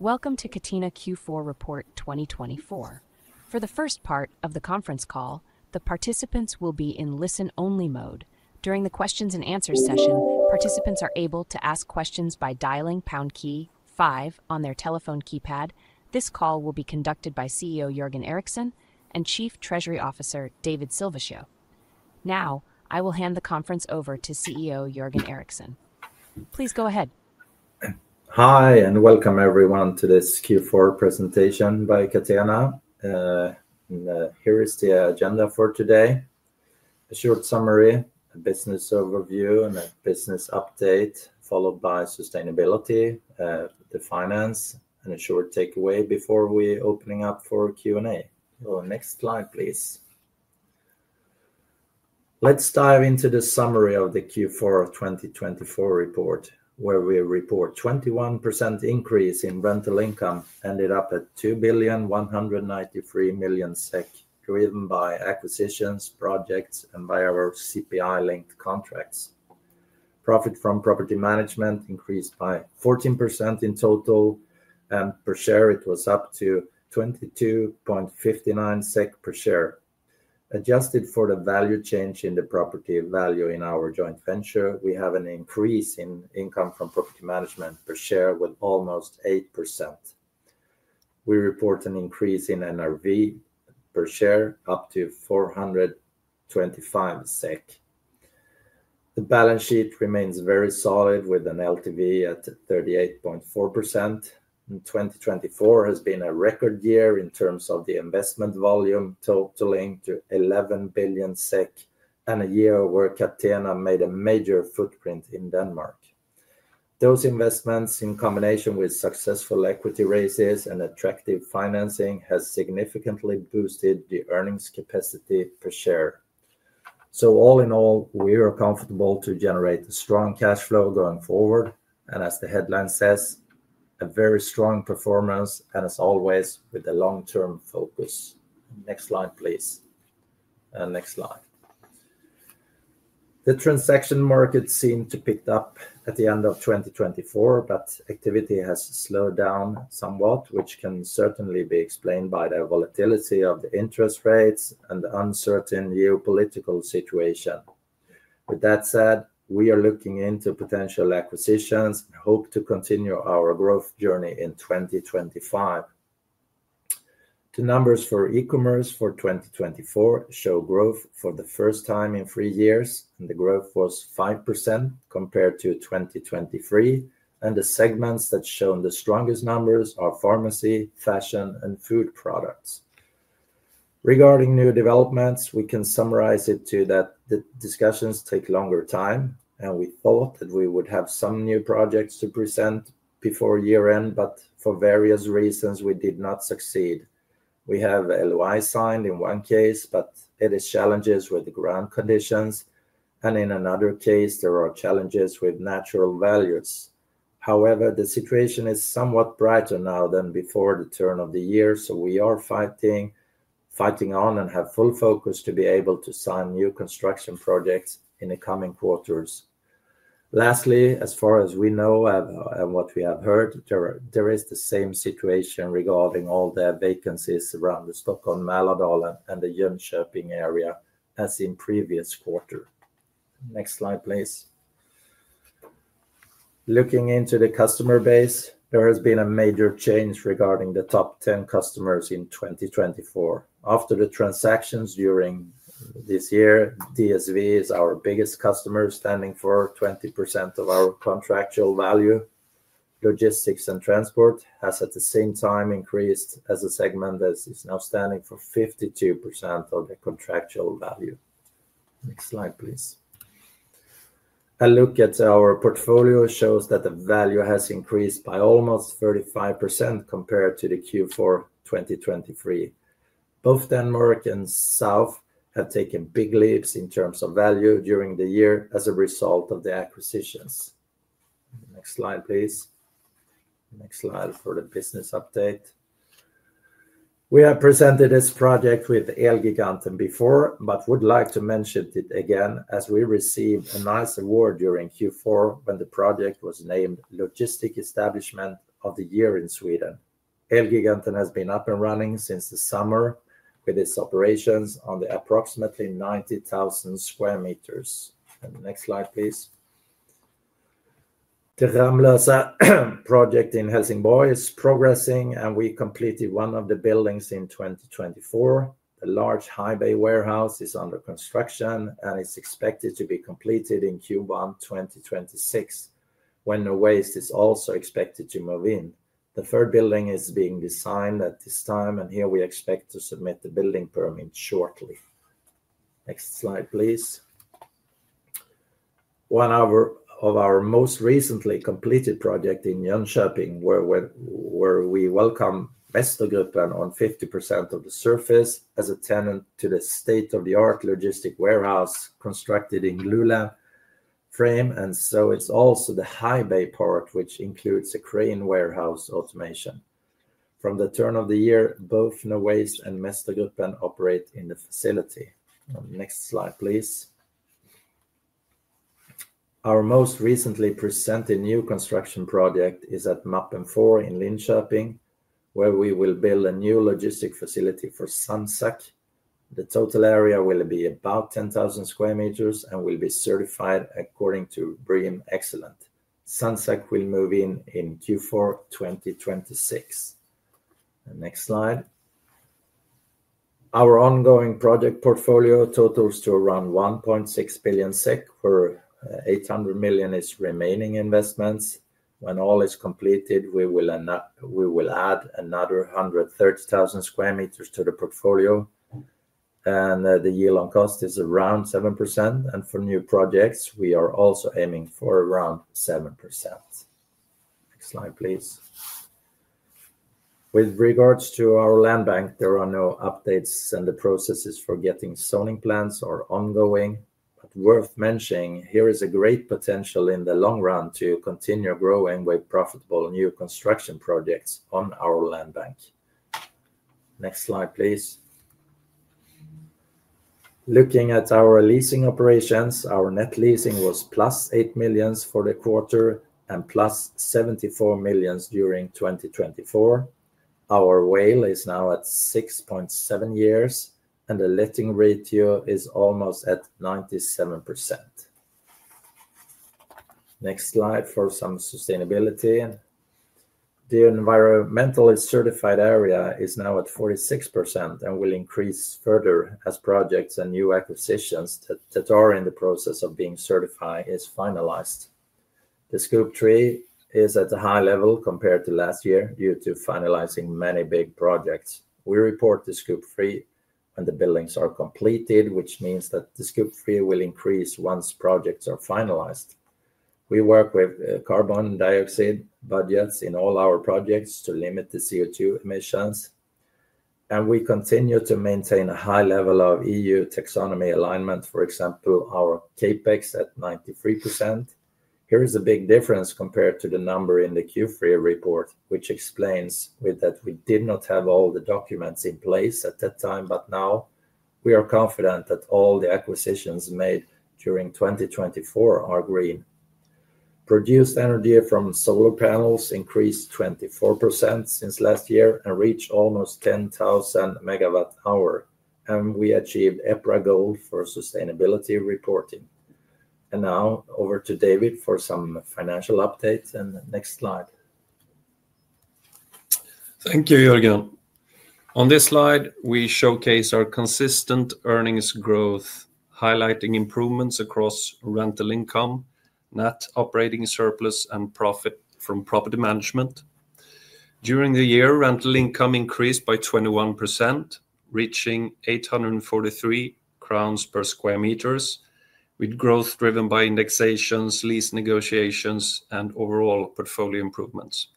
Welcome to Catena Q4 Report 2024. For the first part of the conference call, the participants will be in listen-only mode. During the Q&A session, participants are able to ask questions by dialing key five on their telephone keypad. This call will be conducted by CEO Jörgen Eriksson and Chief Treasury Officer David Silvesjö. Now, I will hand the conference over to CEO Jörgen Eriksson. Please go ahead. Hi, and welcome everyone to this Q4 Presentation by Catena. Here is the agenda for today: a short summary, a business overview, and a business update, followed by sustainability, the finance, and a short takeaway before we open up for Q&A. Our next slide, please. Let's dive into the summary of the Q4 of 2024 report, where we report a 21% increase in rental income ended up at 2,193,000,000 SEK, driven by acquisitions, projects, and by our CPI-linked contracts. Profit from property management increased by 14% in total, and per share it was up to 22.59 SEK per share. Adjusted for the value change in the property value in our joint venture, we have an increase in income from property management per share with almost 8%. We report an increase in NRV per share up to 425 SEK. The balance sheet remains very solid, with an LTV at 38.4%. 2024 has been a record year in terms of the investment volume, totaling 11 billion SEK, and a year where Catena made a major footprint in Denmark. Those investments, in combination with successful equity raises and attractive financing, have significantly boosted the earnings capacity per share. So, all in all, we are comfortable to generate a strong cash flow going forward, and as the headline says, a very strong performance, and as always, with a long-term focus. Next slide, please. The transaction market seemed to pick up at the end of 2024, but activity has slowed down somewhat, which can certainly be explained by the volatility of the interest rates and the uncertain geopolitical situation. With that said, we are looking into potential acquisitions and hope to continue our growth journey in 2025. The numbers for E-commerce for 2024 show growth for the first time in three years, and the growth was 5% compared to 2023. The segments that show the strongest numbers are pharmacy, fashion, and food products. Regarding new developments, we can summarize it to that the discussions take longer time, and we thought that we would have some new projects to present before year-end, but for various reasons, we did not succeed. We have LOI signed in one case, but it is challenges with the ground conditions, and in another case, there are challenges with natural values. However, the situation is somewhat brighter now than before the turn of the year, so we are fighting, fighting on, and have full focus to be able to sign new construction projects in the coming quarters. Lastly, as far as we know and what we have heard, there is the same situation regarding all the vacancies around the Stockholm-Mälardalen and the Jönköping area, as in previous quarter. Next slide, please. Looking into the customer base, there has been a major change regarding the top 10 customers in 2024. After the transactions during this year, DSV is our biggest customer, standing for 20% of our contractual value. Logistics and transport has at the same time increased as a segment that is now standing for 52% of the contractual value. Next slide, please. A look at our portfolio shows that the value has increased by almost 35% compared to the Q4 2023. Both Denmark and South have taken big leaps in terms of value during the year as a result of the acquisitions. Next slide, please. Next slide for the business update. We have presented this project with Elgiganten before, but would like to mention it again as we received a nice award during Q4 when the project was named Logistic Establishment of the Year in Sweden. Elgiganten has been up and running since the summer with its operations on the approximately 90,000sq m. And next slide, please. The Ramlösa project in Helsingborg is progressing, and we completed one of the buildings in 2024. A large high-bay warehouse is under construction, and it's expected to be completed in Q1 2026, when the tenant is also expected to move in. The third building is being designed at this time, and here we expect to submit the building permit shortly. Next slide, please. One of our most recently completed projects in Jönköping, where we welcome Vätterleden Logistik on 50% of the surface, is a tenant to the state-of-the-art logistics warehouse constructed in Luleå Frame, and so it's also the highway part, which includes a crane warehouse automation. From the turn of the year, both Nowaste Logistics and Vätterleden Logistik operate in the facility. Next slide, please. Our most recently presented new construction project is at Mappen 4 in Linköping, where we will build a new logistics facility for San Sac. The total area will be about 10,000sq m and will be certified according to BREEAM Excellent. San Sac will move in in Q4 2026. Next slide. Our ongoing project portfolio totals to around 1.6 billion SEK, where 800 million is remaining investments. When all is completed, we will add another 130,000sq m to the portfolio, and the yield on cost is around 7%, and for new projects, we are also aiming for around 7%. Next slide, please. With regards to our land bank, there are no updates, and the processes for getting zoning plans are ongoing. But worth mentioning, here is a great potential in the long run to continue growing with profitable new construction projects on our land bank. Next slide, please. Looking at our leasing operations, our net leasing was +8 million for the quarter and +74 million during 2024. Our WAULT is now at 6.7 years, and the letting ratio is almost at 97%. Next slide for some sustainability. The environmentally certified area is now at 46% and will increase further as projects and new acquisitions that are in the process of being certified are finalized. The Scope 3 is at a high level compared to last year due to finalizing many big projects. We report the Scope 3, and the buildings are completed, which means that the Scope 3 will increase once projects are finalized. We work with carbon dioxide budgets in all our projects to limit the CO2 emissions, and we continue to maintain a high level of EU Taxonomy alignment, for example, our CapEx at 93%. Here is a big difference compared to the number in the Q3 report, which explains that we did not have all the documents in place at that time, but now we are confident that all the acquisitions made during 2024 are green. Produced energy from solar panels increased 24% since last year and reached almost 10,000MWh, and we achieved EPRA goal for sustainability reporting. Now over to David for some financial updates, and next slide. Thank you, Jörgen. On this slide, we showcase our consistent earnings growth, highlighting improvements across rental income, net operating surplus, and profit from property management. During the year, rental income increased by 21%, reaching 843 crowns per square meters, with growth driven by indexations, lease negotiations, and overall portfolio improvements.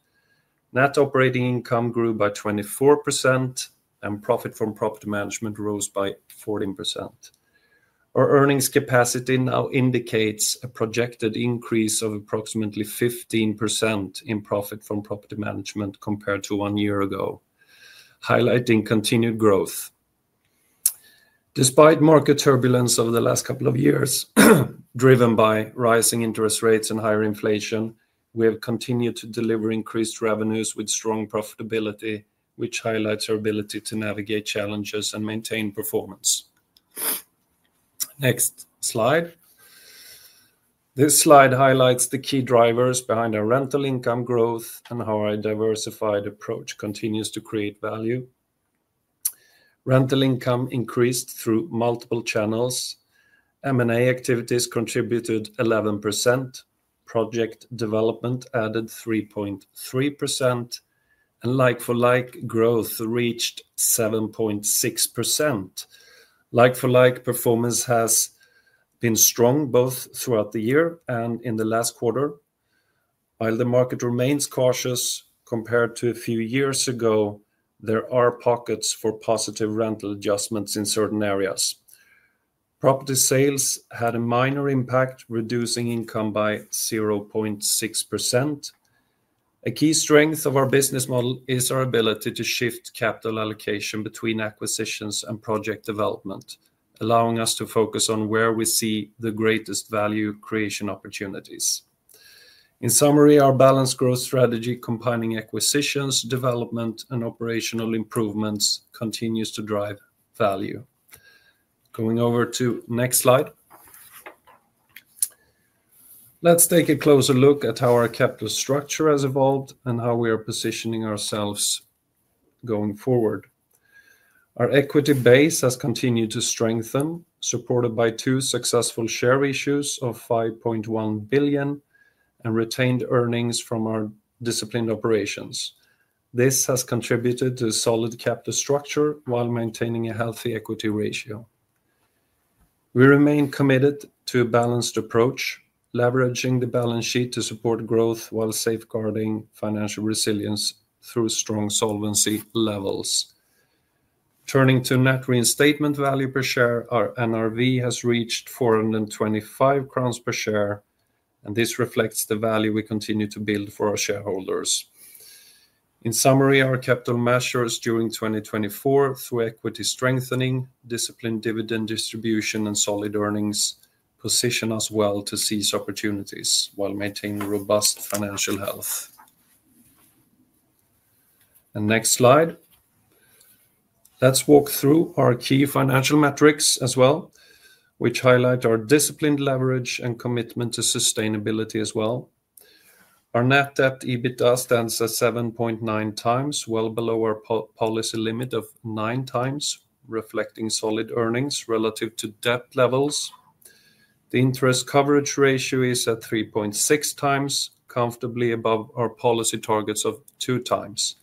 Net operating income grew by 24%, and profit from property management rose by 14%. Our earnings capacity now indicates a projected increase of approximately 15% in profit from property management compared to one year ago, highlighting continued growth. Despite market turbulence over the last couple of years, driven by rising interest rates and higher inflation, we have continued to deliver increased revenues with strong profitability, which highlights our ability to navigate challenges and maintain performance. Next slide. This slide highlights the key drivers behind our rental income growth and how our diversified approach continues to create value. Rental income increased through multiple channels. M&A activities contributed 11%, project development added 3.3%, and like-for-like growth reached 7.6%. Like-for-like performance has been strong both throughout the year and in the last quarter. While the market remains cautious compared to a few years ago, there are pockets for positive rental adjustments in certain areas. Property sales had a minor impact, reducing income by 0.6%. A key strength of our business model is our ability to shift capital allocation between acquisitions and project development, allowing us to focus on where we see the greatest value creation opportunities. In summary, our balanced growth strategy, combining acquisitions, development, and operational improvements, continues to drive value. Going over to next slide. Let's take a closer look at how our capital structure has evolved and how we are positioning ourselves going forward. Our equity base has continued to strengthen, supported by two successful share issues of 5.1 billion and retained earnings from our disciplined operations. This has contributed to a solid capital structure while maintaining a healthy equity ratio. We remain committed to a balanced approach, leveraging the balance sheet to support growth while safeguarding financial resilience through strong solvency levels. Turning to net reinstatement value per share, our NRV has reached 425 crowns per share, and this reflects the value we continue to build for our shareholders. In summary, our capital measures during 2024, through equity strengthening, disciplined dividend distribution, and solid earnings, position us well to seize opportunities while maintaining robust financial health. And next slide. Let's walk through our key financial metrics as well, which highlight our disciplined leverage and commitment to sustainability as well. Our net debt EBITDA stands at 7.9x, well below our policy limit of 9x, reflecting solid earnings relative to debt levels. The interest coverage ratio is at 3.6x, comfortably above our policy targets of 2x,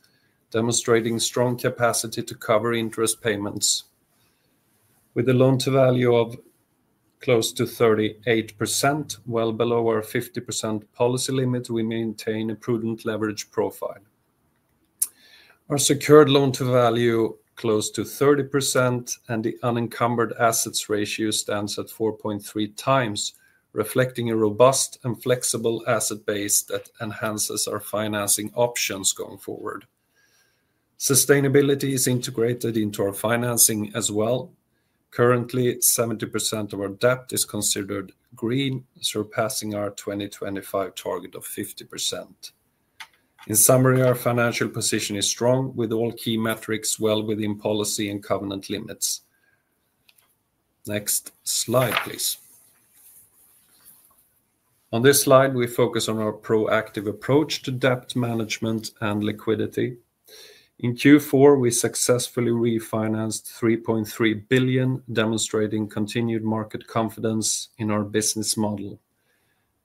demonstrating strong capacity to cover interest payments. With a loan-to-value of close to 38%, well below our 50% policy limit, we maintain a prudent leverage profile. Our secured loan-to-value is close to 30%, and the unencumbered assets ratio stands at 4.3x, reflecting a robust and flexible asset base that enhances our financing options going forward. Sustainability is integrated into our financing as well. Currently, 70% of our debt is considered green, surpassing our 2025 target of 50%. In summary, our financial position is strong, with all key metrics well within policy and covenant limits. Next slide, please. On this slide, we focus on our proactive approach to debt management and liquidity. In Q4, we successfully refinanced 3.3 billion, demonstrating continued market confidence in our business model.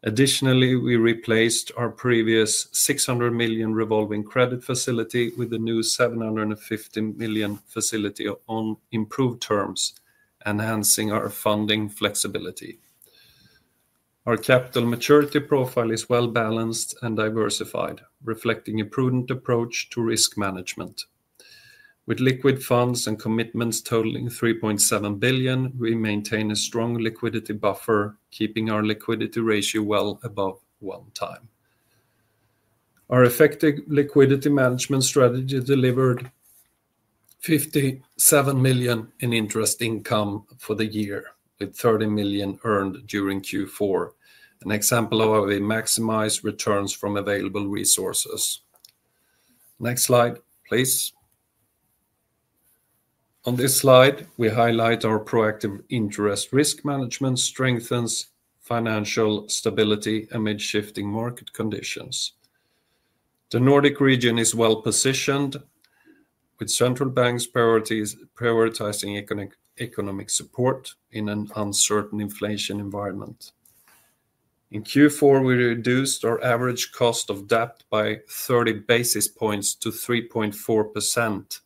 Additionally, we replaced our previous 600 million revolving credit facility with a new 750 million facility on improved terms, enhancing our funding flexibility. Our capital maturity profile is well balanced and diversified, reflecting a prudent approach to risk management. With liquid funds and commitments totaling 3.7 billion, we maintain a strong liquidity buffer, keeping our liquidity ratio well above one time. Our effective liquidity management strategy delivered 57 million in interest income for the year, with 30 million earned during Q4, an example of a maximized return from available resources. Next slide, please. On this slide, we highlight our proactive interest risk management strengthens financial stability amid shifting market conditions. The Nordic region is well positioned, with central banks prioritizing economic support in an uncertain inflation environment. In Q4, we reduced our average cost of debt by 30 basis points to 3.4%,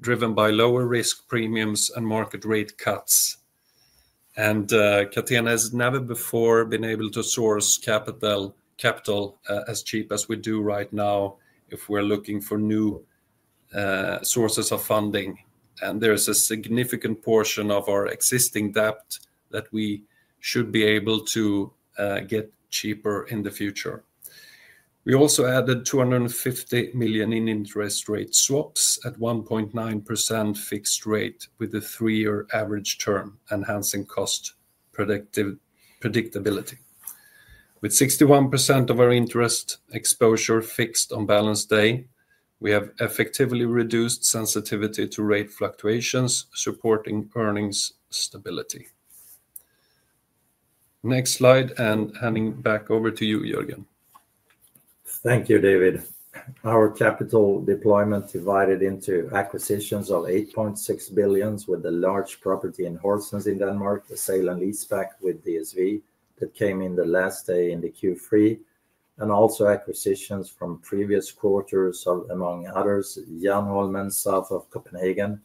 driven by lower risk premiums and market rate cuts, and Catena has never before been able to source capital as cheap as we do right now if we're looking for new sources of funding, and there is a significant portion of our existing debt that we should be able to get cheaper in the future. We also added 250 million in interest rate swaps at 1.9% fixed rate with a three-year average term enhancing cost predictability. With 61% of our interest exposure fixed on balance day, we have effectively reduced sensitivity to rate fluctuations, supporting earnings stability. Next slide, and handing back over to you, Jörgen. Thank you, David. Our capital deployment divided into acquisitions of 8.6 billion with a large property in Horsens in Denmark, a sale and leaseback with DSV that came in the last day in the Q3, and also acquisitions from previous quarters of, among others, Jernholmen, south of Copenhagen,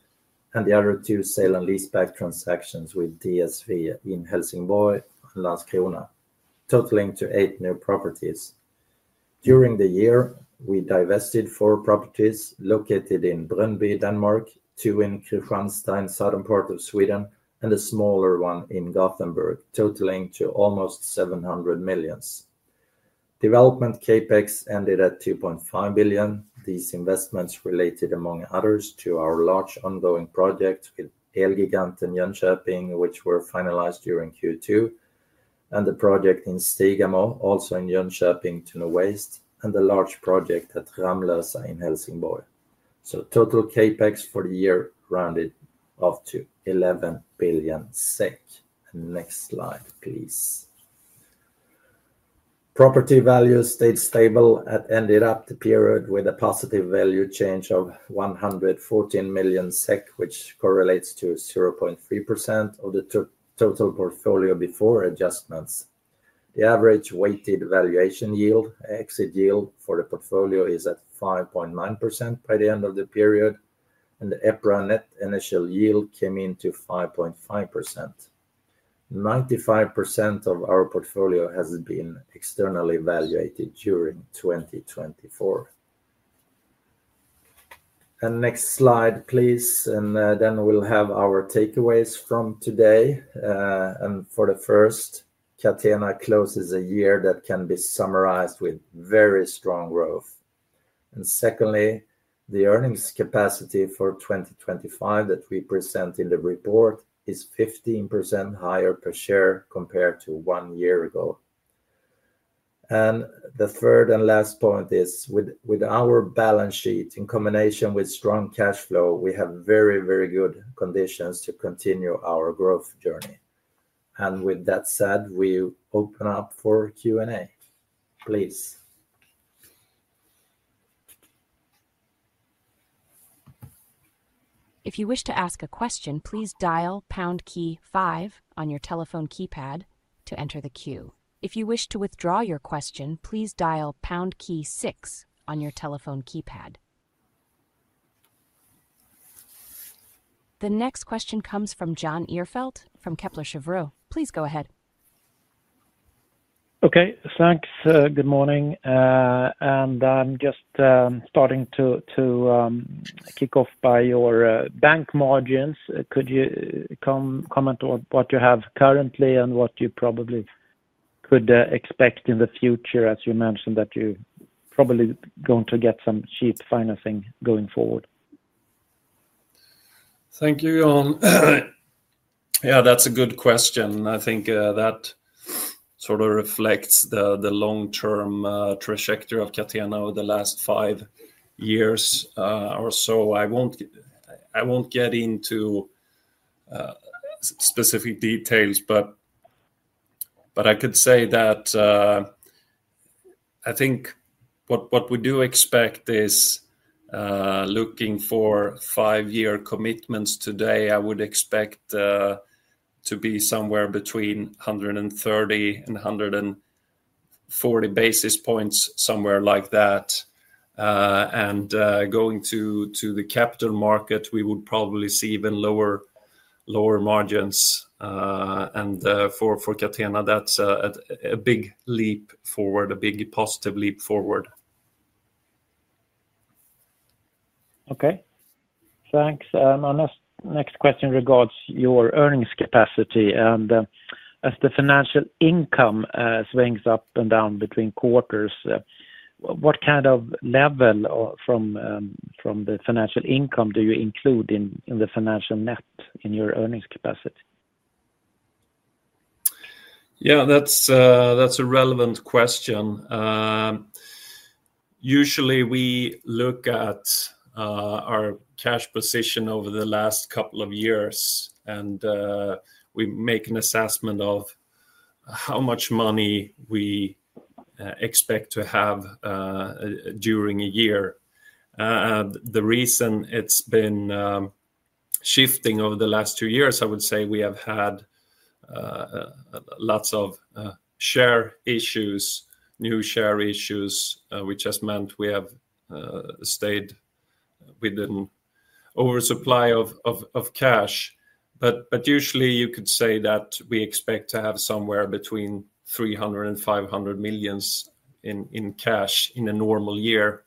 and the other two sale and leaseback transactions with DSV in Helsingborg and Landskrona, totaling to eight new properties. During the year, we divested four properties located in Brøndby, Denmark, two in Kristianstad, southern part of Sweden, and a smaller one in Gothenburg, totaling to almost 700 million. Development CapEx ended at 2.5 billion. These investments related, among others, to our large ongoing project with Elgiganten in Jönköping, which were finalized during Q2, and the project in Stigamo, also in Jönköping to Nowaste, and the large project at Ramlösa in Helsingborg. Total CapEx for the year rounded off to 11 billion SEK. Next slide, please. Property values stayed stable and ended up the period with a positive value change of 114 million SEK, which correlates to 0.3% of the total portfolio before adjustments. The average weighted valuation yield, exit yield for the portfolio, is at 5.9% by the end of the period, and the EPRA net initial yield came in at 5.5%. 95% of our portfolio has been externally valued during 2024. Next slide, please, and then we'll have our takeaways from today. For the first, Catena closes a year that can be summarized with very strong growth. Secondly, the earnings capacity for 2025 that we present in the report is 15% higher per share compared to one year ago. The third and last point is, with our balance sheet in combination with strong cash flow, we have very, very good conditions to continue our growth journey. With that said, we open up for Q&A. Please. If you wish to ask a question, please dial pound key five on your telephone keypad to enter the queue. If you wish to withdraw your question, please dial pound key six on your telephone keypad. The next question comes from Jan Ihrfelt from Kepler Cheuvreux. Please go ahead. Okay, thanks. Good morning. I'm just starting to kick off by your bank margins. Could you comment on what you have currently and what you probably could expect in the future, as you mentioned, that you're probably going to get some cheap financing going forward? Thank you, Jan Yeah, that's a good question. I think that sort of reflects the long-term trajectory of Catena over the last five years or so. I won't get into specific details, but I could say that I think what we do expect is, looking for five-year commitments today, I would expect to be somewhere between 130 and 140 basis points, somewhere like that. And going to the capital market, we would probably see even lower margins. And for Catena, that's a big leap forward, a big positive leap forward. Okay, thanks. Our next question regards your earnings capacity. As the financial income swings up and down between quarters, what kind of level from the financial income do you include in the financial net in your earnings capacity? Yeah, that's a relevant question. Usually, we look at our cash position over the last couple of years, and we make an assessment of how much money we expect to have during a year. The reason it's been shifting over the last two years, I would say we have had lots of share issues, new share issues. We just meant we have stayed with an oversupply of cash. But usually, you could say that we expect to have somewhere between 300 and 500 million in cash in a normal year.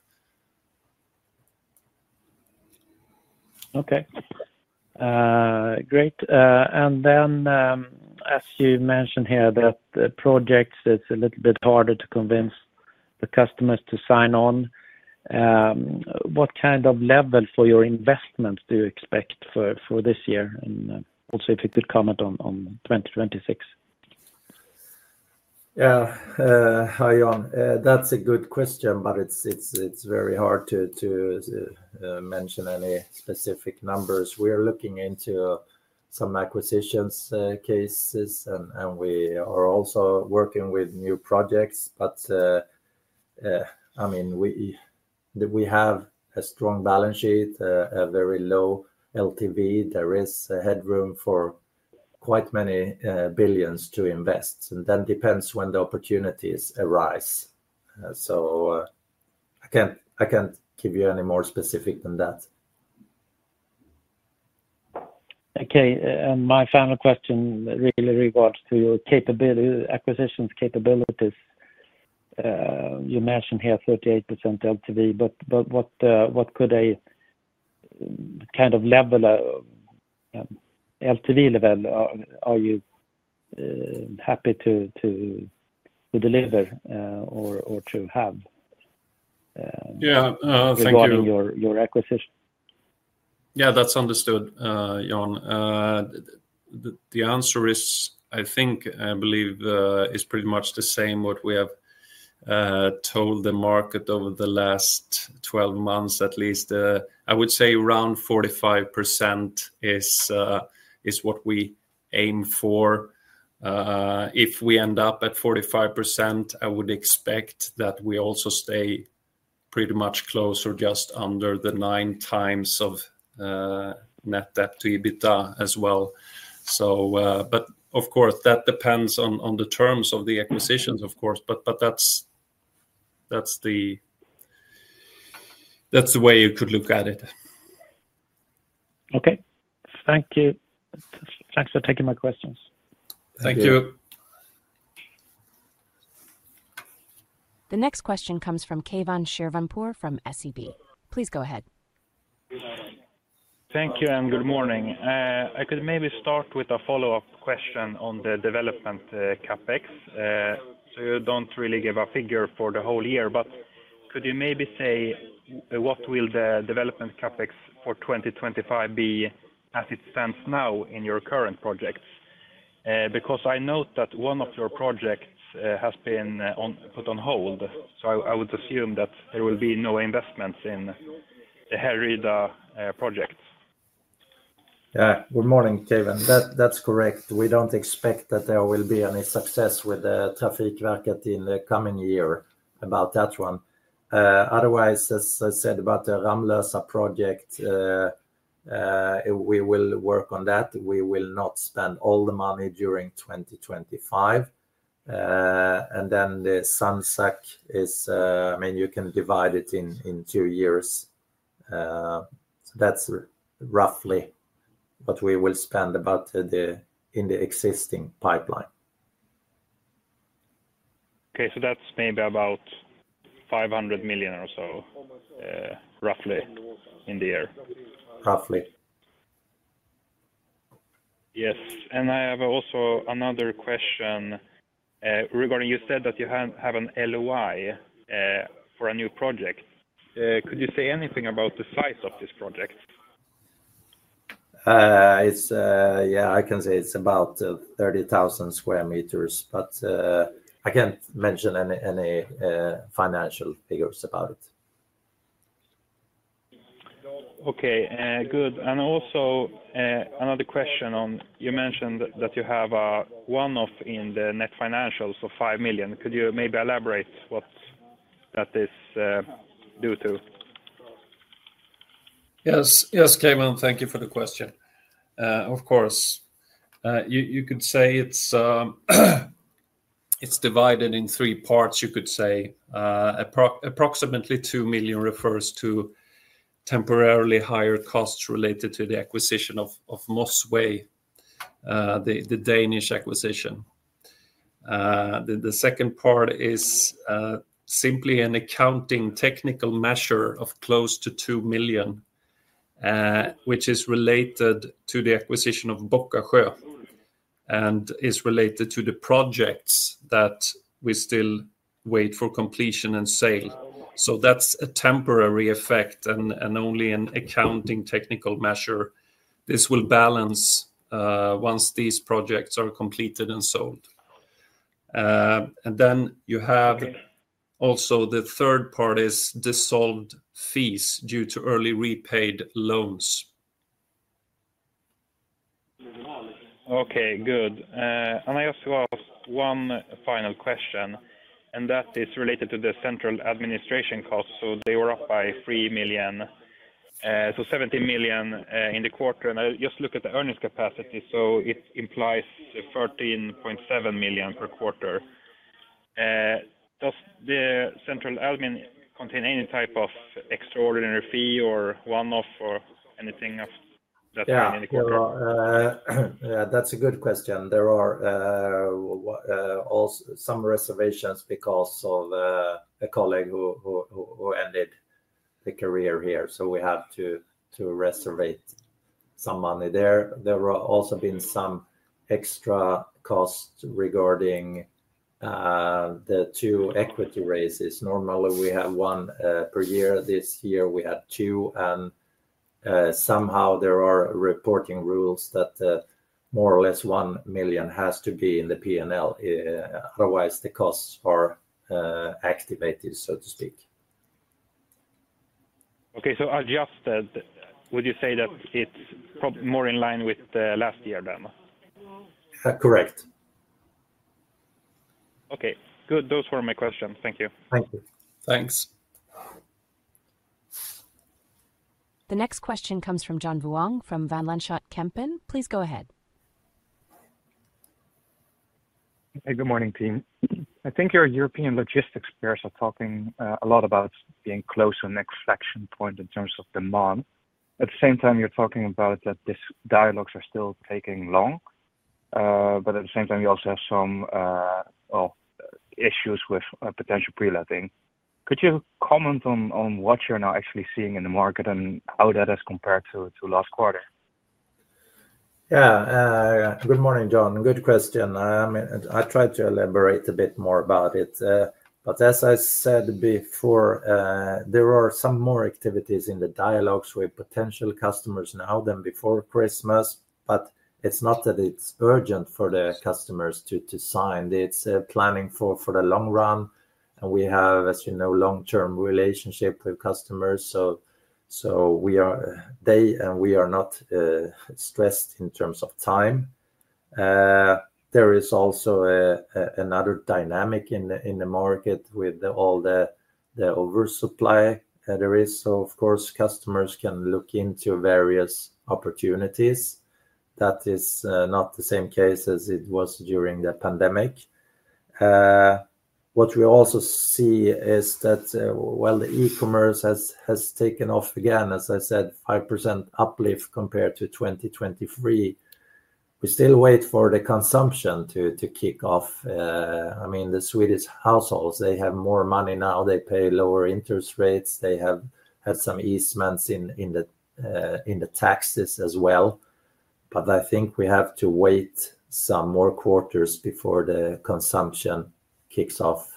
Okay, great. And then, as you mentioned here, that project, it's a little bit harder to convince the customers to sign on. What kind of level for your investments do you expect for this year? And also, if you could comment on 2026. Yeah, hi, Jan. That's a good question, but it's very hard to mention any specific numbers. We are looking into some acquisitions cases, and we are also working with new projects. But I mean, we have a strong balance sheet, a very low LTV. There is headroom for quite many billions to invest. And then it depends when the opportunities arise. So I can't give you any more specific than that. Okay, and my final question really regards to your acquisitions capabilities. You mentioned here 38% LTV, but what kind of level of LTV level are you happy to deliver or to have regarding your acquisition? Yeah, that's understood, Jan. The answer is, I think, I believe it's pretty much the same what we have told the market over the last 12 months, at least. I would say around 45% is what we aim for. If we end up at 45%, I would expect that we also stay pretty much close or just under the 9x of net debt to EBITDA as well. But of course, that depends on the terms of the acquisitions, of course. But that's the way you could look at it. Okay, thank you. Thanks for taking my questions. Thank you. The next question comes from Keivan Shirvanpour from SEB. Please go ahead. Thank you, and good morning. I could maybe start with a follow-up question on the development CapEx. So you don't really give a figure for the whole year, but could you maybe say what will the development CapEx for 2025 be as it stands now in your current projects? Because I note that one of your projects has been put on hold, so I would assume that there will be no investments in the Härryda project. Yeah, good morning, Keivan. That's correct. We don't expect that there will be any success with the Trafikverket in the coming year about that one. Otherwise, as I said about the Ramlösa project, we will work on that. We will not spend all the money during 2025. And then the San Sac is, I mean, you can divide it in two years. That's roughly what we will spend about in the existing pipeline. Okay, so that's maybe about 500 million or so, roughly in the year. Roughly. Yes, and I have also another question regarding you said that you have an LOI for a new project. Could you say anything about the size of this project? Yeah, I can say it's about 30,000sq m, but I can't mention any financial figures about it. Okay, good. And also another question on you mentioned that you have a one-off in the net financials of 5 million. Could you maybe elaborate what that is due to? Yes, yes, Keivan, thank you for the question. Of course. You could say it's divided in three parts, you could say. Approximately 2 million refers to temporarily higher costs related to the acquisition of Mossvej, the Danish acquisition. The second part is simply an accounting technical measure of close to 2 million, which is related to the acquisition of Bockasjö and is related to the projects that we still wait for completion and sale. So that's a temporary effect and only an accounting technical measure. This will balance once these projects are completed and sold. And then you have also the third part is dissolved fees due to early repaid loans. Okay, good. And I just have one final question, and that is related to the central administration costs. So they were up by 3 million, so 17 million in the quarter. And I just look at the earnings capacity, so it implies 13.7 million per quarter. Does the central admin contain any type of extraordinary fee or one-off or anything that's in the quarter? Yeah, that's a good question. There are also some reservations because of a colleague who ended the career here. So we have to reserve some money there. There have also been some extra costs regarding the two equity raises. Normally, we have one per year. This year, we had two. And somehow, there are reporting rules that more or less 1 million has to be in the P&L. Otherwise, the costs are activated, so to speak. Okay, so I'll just add, would you say that it's more in line with last year then? Correct. Okay, good. Those were my questions. Thank you. Thank you. Thanks. The next question comes from John Vuong from Van Lanschot Kempen. Please go ahead. Hey, good morning, team. I think your European logistics peers are talking a lot about being close to the next action point in terms of demand. At the same time, you're talking about that these dialogues are still taking long. But at the same time, you also have some issues with potential pre-letting. Could you comment on what you're now actually seeing in the market and how that has compared to last quarter? Yeah, good morning, John. Good question. I tried to elaborate a bit more about it, but as I said before, there were some more activities in the dialogues with potential customers now than before Christmas, but it's not that it's urgent for the customers to sign. It's planning for the long run, and we have, as you know, a long-term relationship with customers, so we are not stressed in terms of time. There is also another dynamic in the market with all the oversupply there is, so of course, customers can look into various opportunities. That is not the same case as it was during the pandemic. What we also see is that, well, the E-commerce has taken off again, as I said, 5% uplift compared to 2023. We still wait for the consumption to kick off. I mean, the Swedish households, they have more money now. They pay lower interest rates. They have had some easements in the taxes as well. But I think we have to wait some more quarters before the consumption kicks off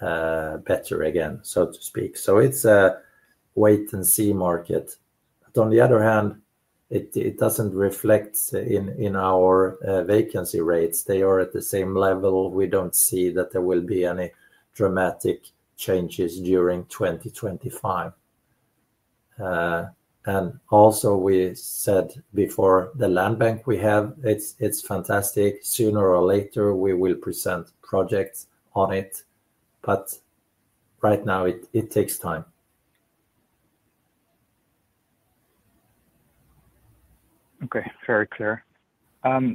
better again, so to speak. So it's a wait-and-see market. On the other hand, it doesn't reflect in our vacancy rates. They are at the same level. We don't see that there will be any dramatic changes during 2025, and also we said before the land bank we have, it's fantastic. Sooner or later, we will present projects on it. But right now, it takes time. Okay, very clear.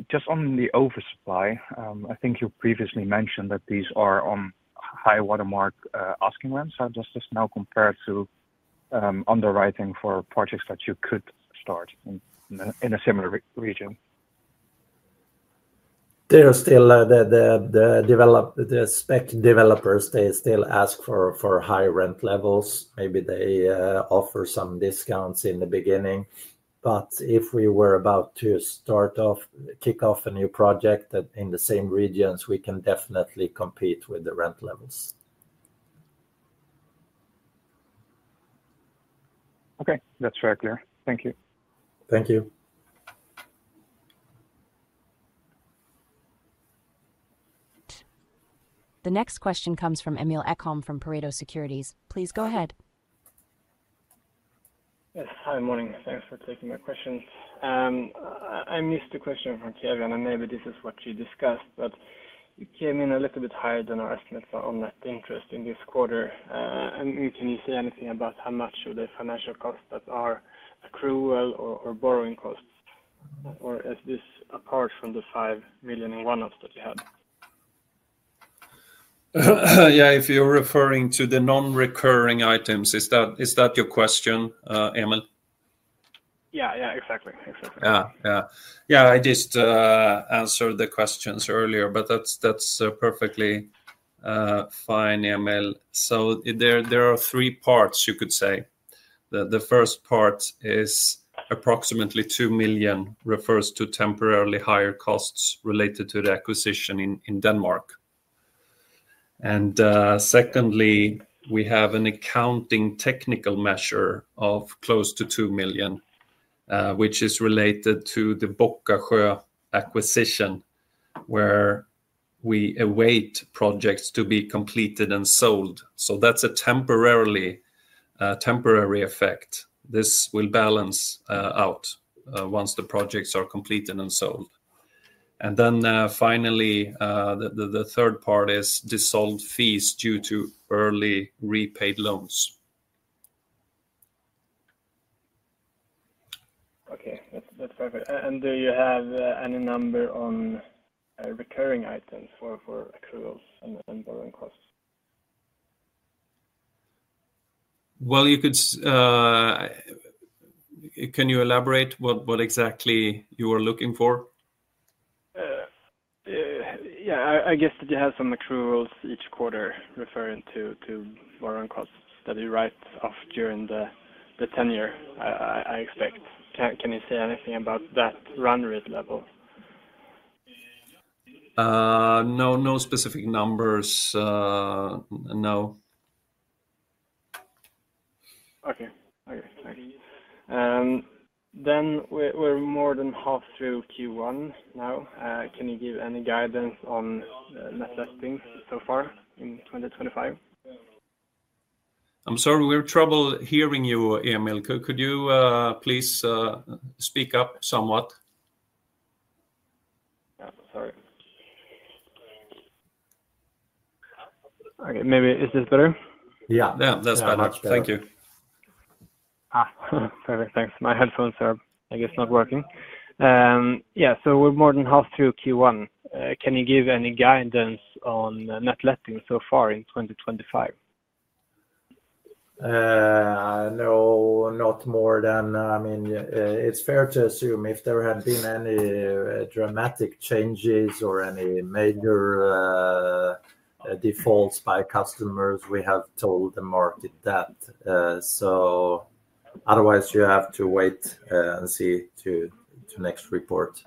Just on the oversupply, I think you previously mentioned that these are on high watermark asking rents. How does this now compare to underwriting for projects that you could start in a similar region? Still, the spec developers, they still ask for high rent levels. Maybe they offer some discounts in the beginning. But if we were about to start off, kick off a new project in the same regions, we can definitely compete with the rent levels. Okay, that's very clear. Thank you. Thank you. The next question comes from Emil Ekholm from Pareto Securities. Please go ahead. Yes, good morning. Thanks for taking my question. I missed the question from Keivan, and maybe this is what you discussed, but it came in a little bit higher than our estimate on net interest in this quarter. And can you say anything about how much of the financial costs that are accrued or borrowing costs? Or is this apart from the 5 million and one-offs that you had? Yeah, if you're referring to the non-recurring items, is that your question, Emil? Yeah, yeah, exactly. Yeah, yeah. Yeah, I just answered the questions earlier, but that's perfectly fine, Emil. So there are three parts, you could say. The first part is approximately 2 million, refers to temporarily higher costs related to the acquisition in Denmark. And secondly, we have an accounting technical measure of close to 2 million, which is related to the Bockasjö acquisition, where we await projects to be completed and sold. So that's a temporary effect. This will balance out once the projects are completed and sold. And then finally, the third part is dissolution fees due to early repaid loans. Okay, that's perfect. And do you have any number on recurring items for accruals and borrowing costs? Can you elaborate what exactly you were looking for? Yeah, I guess it has some accruals each quarter referring to borrowing costs that you write off during the tenure, I expect. Can you say anything about that run rate level? No, no specific numbers. No. Okay, then we're more than half through Q1 now. Can you give any guidance on net lettings so far in 2025? I'm sorry, we have trouble hearing you, Emil. Could you please speak up somewhat? Okay, maybe is this better? Yeah, that's much better. Thank you. Perfect, thanks. My headphones are, I guess, not working. Yeah, so we're more than half through Q1. Can you give any guidance on net letting so far in 2025? No, not more than. I mean, it's fair to assume if there had been any dramatic changes or any major defaults by customers, we have told the market that. Otherwise, you have to wait and see to next report.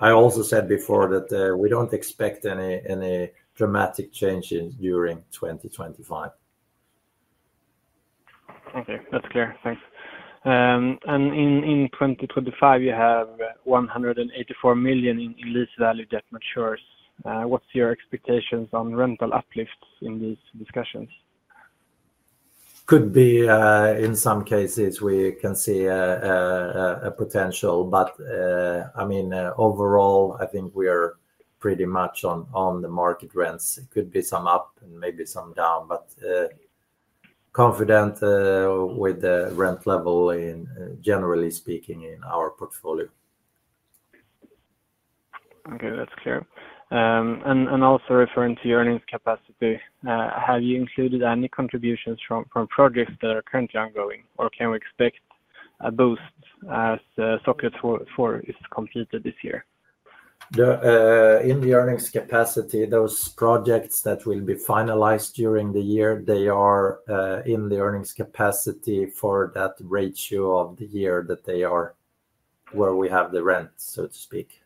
I also said before that we don't expect any dramatic changes during 2025. Okay, that's clear. Thanks and in 2025, you have 184 million in lease value debt matures. What's your expectations on rental uplifts in these discussions? Could be in some cases we can see a potential, but I mean, overall, I think we are pretty much on the market rents. It could be some up and maybe some down, but confident with the rent level generally speaking in our portfolio. Okay, that's clear. And also referring to your earnings capacity, have you included any contributions from projects that are currently ongoing, or can we expect a boost as the Mappen 4 is completed this year? In the earnings capacity, those projects that will be finalized during the year, they are in the earnings capacity for that ratio of the year that they are where we have the rent, so to speak.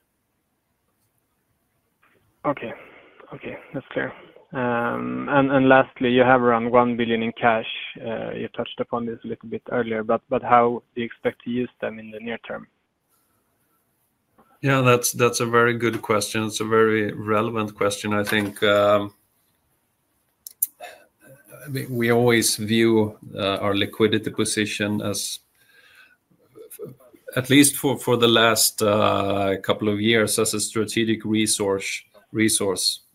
Okay. Okay, that's clear. And lastly, you have around 1 billion in cash. You touched upon this a little bit earlier, but how do you expect to use them in the near term? Yeah, that's a very good question. It's a very relevant question, I think. We always view our liquidity position as, at least for the last couple of years, as a strategic resource,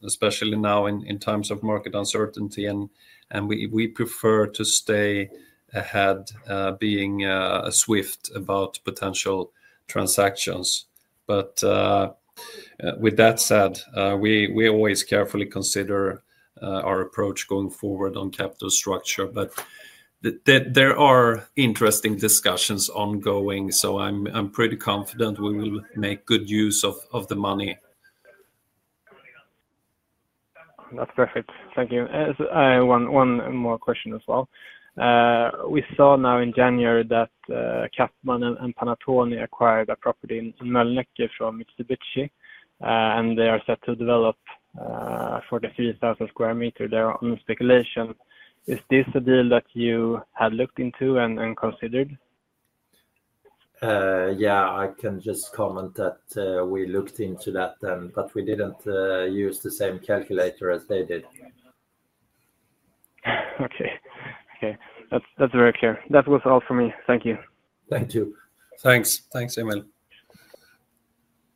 especially now in times of market uncertainty. And we prefer to stay ahead, being swift about potential transactions. But with that said, we always carefully consider our approach going forward on capital structure. But there are interesting discussions ongoing, so I'm pretty confident we will make good use of the money. That's perfect. Thank you. One more question as well. We saw now in January that CapMan and Panattoni acquired a property in Mölnlycke from Mitsubishi, and they are set to develop for the 3,000sq m. They're on speculation. Is this a deal that you had looked into and considered? Yeah, I can just comment that we looked into that, but we didn't use the same calculator as they did. Okay. Okay. That's very clear. That was all for me. Thank you. Thank you. Thanks. Thanks, Emil.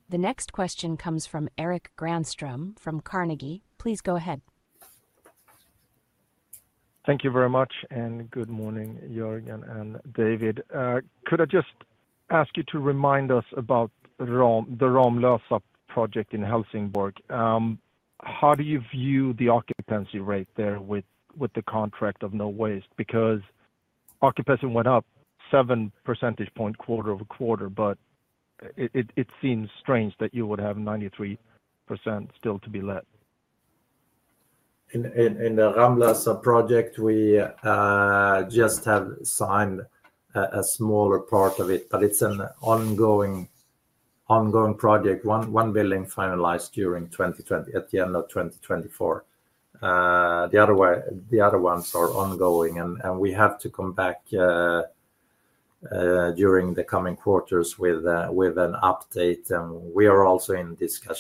The next question comes from Erik Granström from Carnegie. Please go ahead. Thank you very much, and good morning, Jörgen and David. Could I just ask you to remind us about the Ramlösa project in Helsingborg? How do you view the occupancy rate there with the contract of Nowaste? Because occupancy went up seven percentage points quarter-over-quarter, but it seems strange that you would have 93% still to be let. In the Ramlösa project, we just have signed a smaller part of it, but it's an ongoing project. One building finalized during 2020, at the end of 2024. The other ones are ongoing, and we have to come back during the coming quarters with an update, and we are also in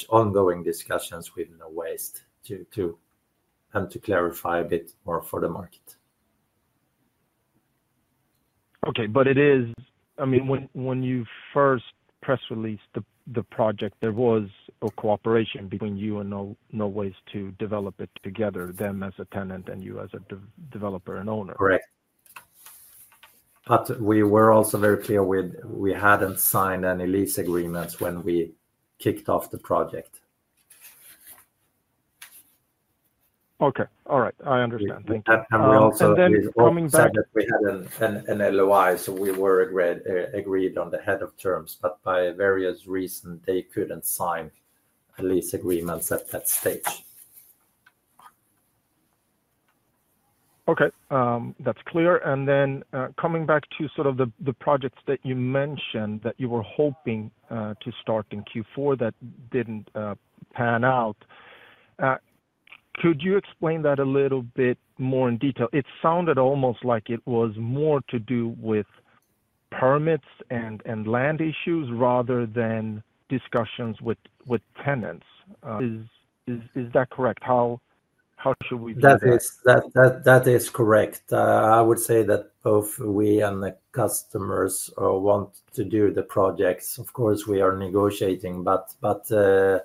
ongoing discussions with Nowaste to clarify a bit for the market. Okay, but it is, I mean, when you first press released the project, there was a cooperation between you and Nowaste to develop it together then as a tenant and you as a developer and owner. Correct. But we were also very clear we hadn't signed any lease agreements when we kicked off the project. Okay. All right. I understand. Thank you. We also had a lease agreement. We had an LOI, so we were agreed on the head of terms, but by various reasons, they couldn't sign a lease agreement at that stage. Okay. That's clear. And then coming back to sort of the projects that you mentioned that you were hoping to start in Q4 that didn't pan out, could you explain that a little bit more in detail? It sounded almost like it was more to do with permits and land issues rather than discussions with tenants. Is that correct? How should we view that? That is correct. I would say that both we and the customers want to do the projects. Of course, we are negotiating, but there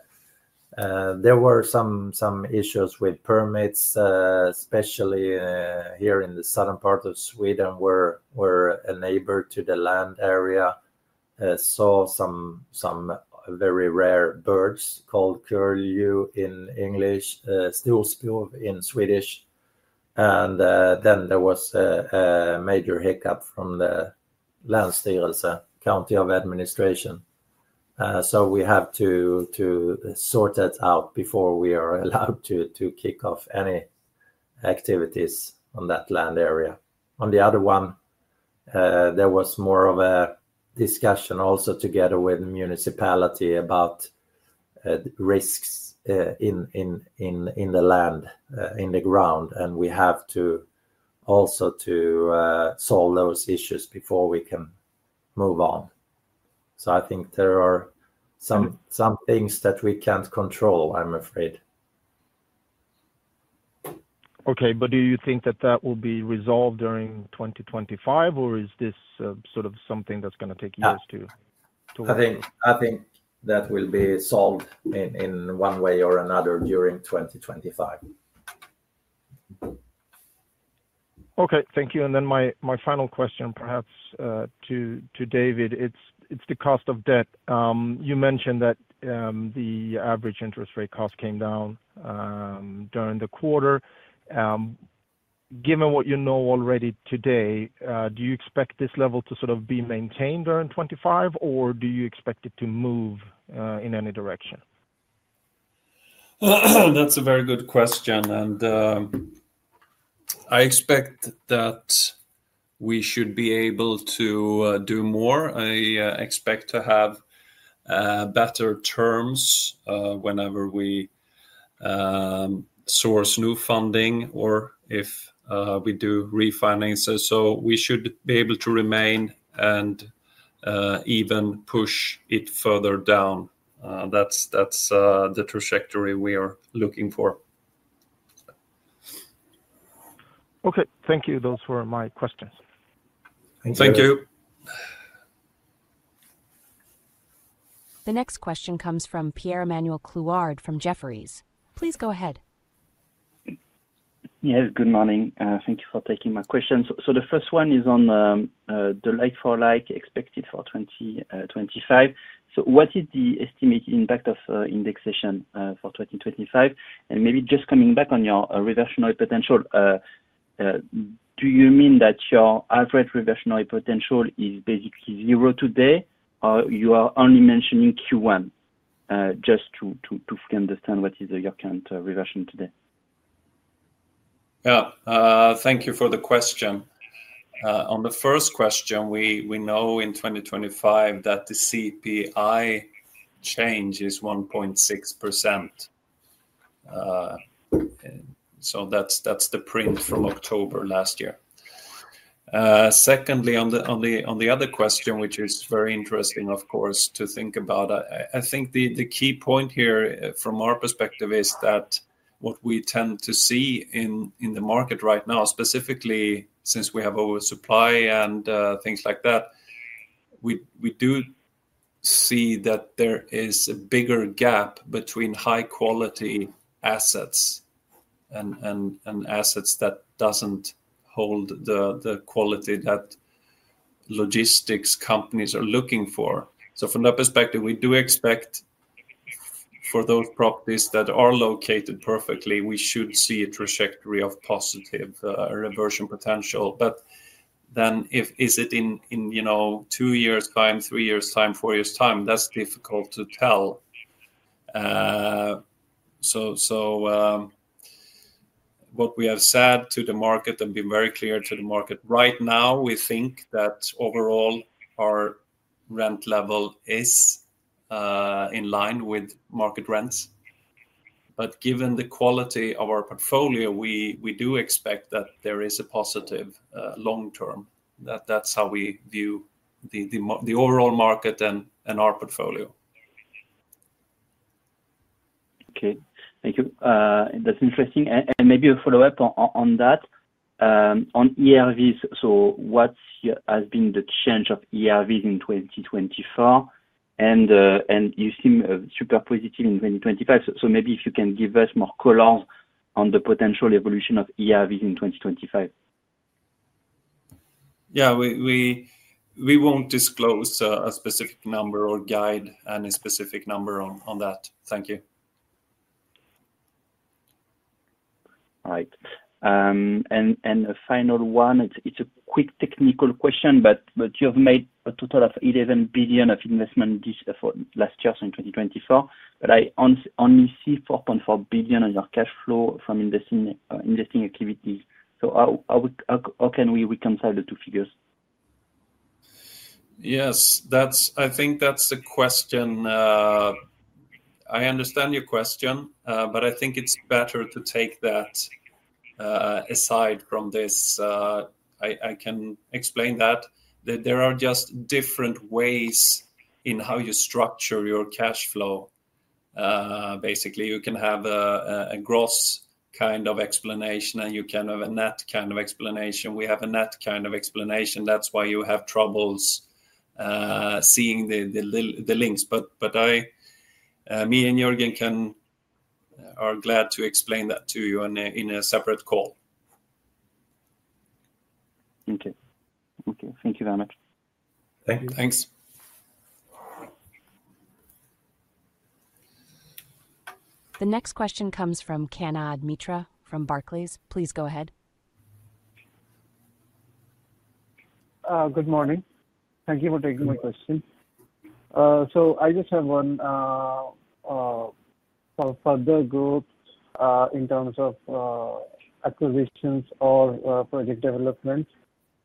were some issues with permits, especially here in the southern part of Sweden where a neighbor to the land area saw some very rare birds called curlew in English, storspov in Swedish, and then there was a major hiccup from the Länsstyrelsen, County Administrative Board, so we have to sort that out before we are allowed to kick off any activities on that land area. On the other one, there was more of a discussion also together with the municipality about risks in the land, in the ground, and we have to also solve those issues before we can move on, so I think there are some things that we can't control, I'm afraid. Okay, but do you think that that will be resolved during 2025, or is this sort of something that's going to take years to? I think that will be solved in one way or another during 2025. Okay. Thank you. And then my final question, perhaps to David, it's the cost of debt. You mentioned that the average interest rate cost came down during the quarter. Given what you know already today, do you expect this level to sort of be maintained during 2025, or do you expect it to move in any direction? That's a very good question, and I expect that we should be able to do more. I expect to have better terms whenever we source new funding or if we do refinances. So we should be able to remain and even push it further down. That's the trajectory we are looking for. Okay. Thank you. Those were my questions. Thank you. The next question comes from Pierre-Emmanuel Clouard from Jefferies. Please go ahead. Yes, good morning. Thank you for taking my question. So the first one is on the like-for-like expected for 2025. So what is the estimated impact of indexation for 2025? And maybe just coming back on your reversionary potential, do you mean that your average reversionary potential is basically zero today, or you are only mentioning Q1 just to fully understand what is your current reversion today? Yeah. Thank you for the question. On the first question, we know in 2025 that the CPI change is 1.6%. So that's the print from October last year. Secondly, on the other question, which is very interesting, of course, to think about, I think the key point here from our perspective is that what we tend to see in the market right now, specifically since we have oversupply and things like that, we do see that there is a bigger gap between high-quality assets and assets that don't hold the quality that logistics companies are looking for. So from that perspective, we do expect for those properties that are located perfectly, we should see a trajectory of positive reversion potential. But then is it in two years' time, three years' time, four years' time? That's difficult to tell. So what we have said to the market and been very clear to the market right now, we think that overall our rent level is in line with market rents. But given the quality of our portfolio, we do expect that there is a positive long-term. That's how we view the overall market and our portfolio. Okay. Thank you. That's interesting. And maybe a follow-up on that. On ERVS, so what has been the change of ERVS in 2024? And you seem super positive in 2025. So maybe if you can give us more colors on the potential evolution of ERVS in 2025. Yeah, we won't disclose a specific number or guide and a specific number on that. Thank you. All right. And a final one, it's a quick technical question, but you have made a total of 11 billion of investment last year in 2024, but I only see 4.4 billion on your cash flow from investing activities. So how can we reconcile the two figures? Yes, I think that's the question. I understand your question, but I think it's better to take that aside from this. I can explain that. There are just different ways in how you structure your cash flow. Basically, you can have a gross kind of explanation, and you can have a net kind of explanation. We have a net kind of explanation. That's why you have troubles seeing the links. But me and Jörgen are glad to explain that to you in a separate call. Okay. Okay. Thank you very much. Thank you. Thanks. The next question comes from Kanad Mitra from Barclays. Please go ahead. Good morning. Thank you for taking my question. So I just have one for the group in terms of acquisitions or project development.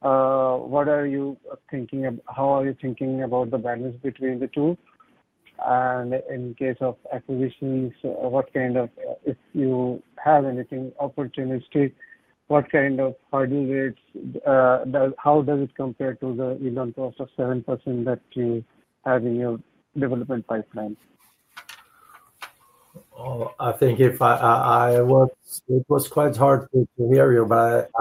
What are you thinking? How are you thinking about the balance between the two? And in case of acquisitions, what kind of, if you have anything opportunistic, what kind of yield rates? How does it compare to the cost of 7% that you have in your development pipeline? Oh, I think it was quite hard to hear you, but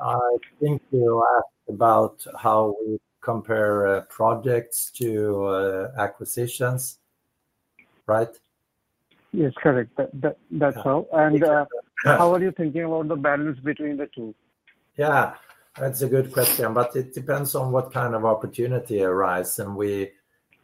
I think you asked about how we compare projects to acquisitions, right? Yeah, correct. That's all. And how are you thinking about the balance between the two? Yeah, that's a good question, but it depends on what kind of opportunity arises. And we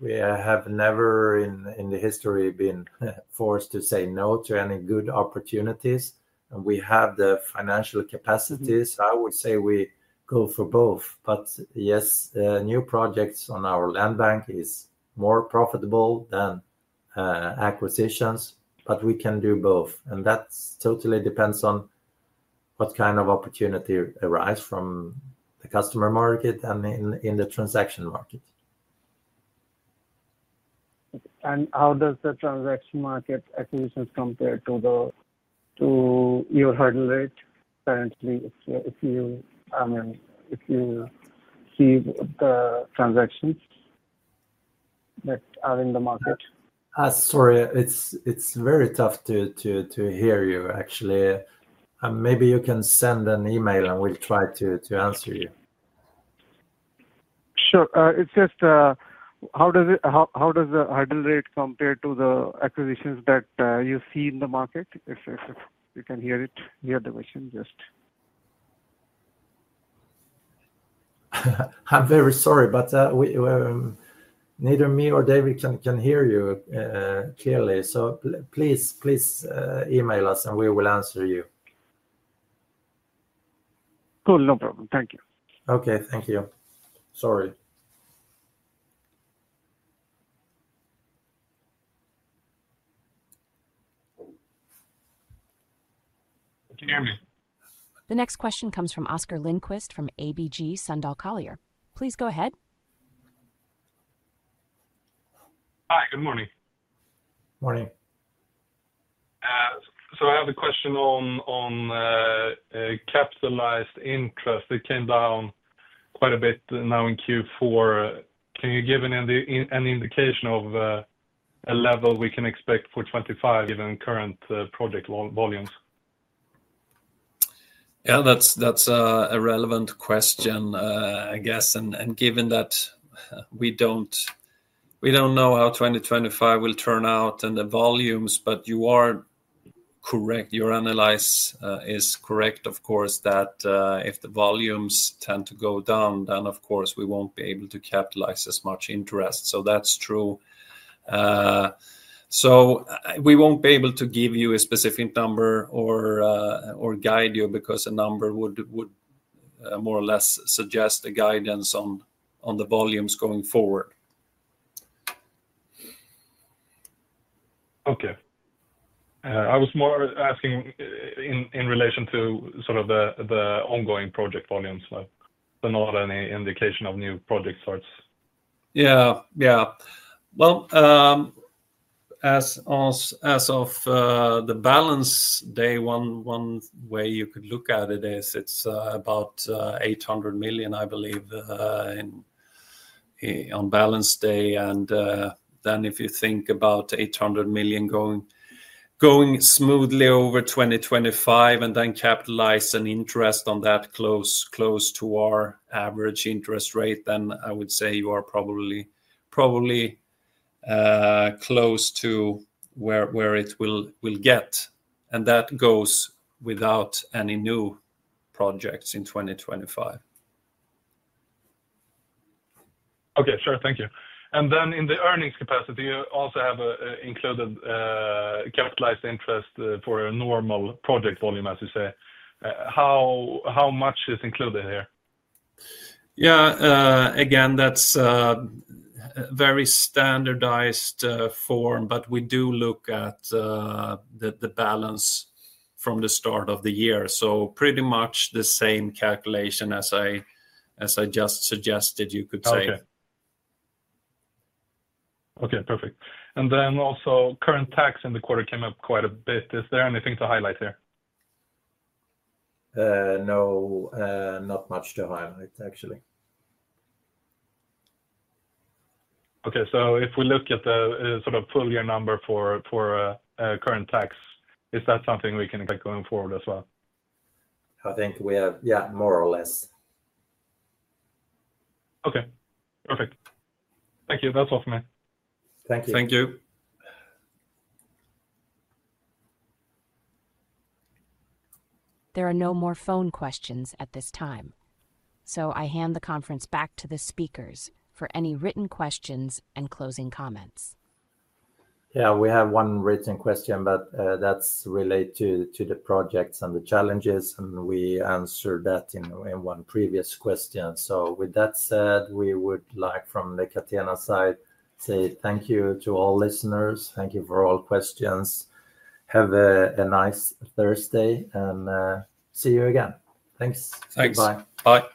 have never in the history been forced to say no to any good opportunities. And we have the financial capacity. So I would say we go for both. But yes, new projects on our land bank is more profitable than acquisitions, but we can do both. And that totally depends on what kind of opportunity arises from the customer market and in the transaction market. How does the transaction market acquisitions compare to your hard rate currently, if you see the transactions that are in the market? Sorry, it's very tough to hear you, actually. Maybe you can send an email, and we'll try to answer you. Sure. It's just, how does the hard rate compare to the acquisitions that you see in the market? If you can hear it, hear the question just. I'm very sorry, but neither me nor David can hear you clearly. So please email us, and we will answer you. Cool. No problem. Thank you. Okay. Thank you. Sorry. The next question comes from Oscar Lindquist from ABG Sundal Collier. Please go ahead. Hi. Good morning. Morning. So I have a question on capitalized interest. It came down quite a bit now in Q4. Can you give an indication of a level we can expect for 2025 given current project volumes? Yeah, that's a relevant question, I guess, and given that we don't know how 2025 will turn out and the volumes, but you are correct. Your analysis is correct, of course, that if the volumes tend to go down, then of course we won't be able to capitalize as much interest, so that's true, so we won't be able to give you a specific number or guide you because a number would more or less suggest the guidance on the volumes going forward. Okay. I was more asking in relation to sort of the ongoing project volumes. There's not any indication of new project starts. Yeah. Yeah. Well, as of the balance day, one way you could look at it is it's about 800 million, I believe, on balance day. And then if you think about 800 million going smoothly over 2025 and then capitalize on interest on that close to our average interest rate, then I would say you are probably close to where it will get. And that goes without any new projects in 2025. Okay. Sure. Thank you, and then in the earnings capacity, you also have included capitalized interest for a normal project volume, as you say. How much is included here? Yeah. Again, that's a very standardized form, but we do look at the balance from the start of the year. So pretty much the same calculation as I just suggested, you could say. Okay. Okay. Perfect. And then also current tax in the quarter came up quite a bit. Is there anything to highlight here? No. Not much to highlight, actually. Okay. So if we look at the sort of full year number for current tax, is that something we can look at going forward as well? I think we are, yeah, more or less. Okay. Perfect. Thank you. That's all from me. Thank you. Thank you. There are no more phone questions at this time. So I hand the conference back to the speakers for any written questions and closing comments. Yeah, we have one written question, but that's related to the projects and the challenges. And we answered that in one previous question. So with that said, we would like from the Catena side to say thank you to all listeners. Thank you for all questions. Have a nice Thursday and see you again. Thanks. Thanks. Bye. Bye.